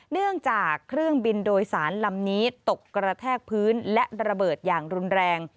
เนื่องจากเครื่องบินโดยสารลำนี้ตกกระแทกพื้นและระเบิดอย่างรุนแรง